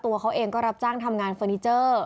ตัวเขาเองก็รับจ้างทำงานเฟอร์นิเจอร์